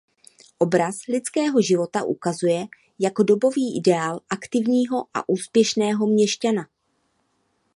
Obraz lidského života ukazuje jako dobový ideál aktivního a úspěšného měšťana.